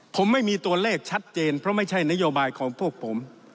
ผมไม่มีตัวเลขชัดเจนเพราะไม่ใช่นโยบายของพวกผม